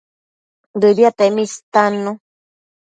Dëbiatemi istannu